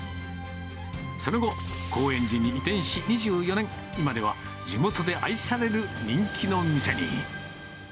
その後、高円寺に移転し２４年、今では地元で愛される人気の店に。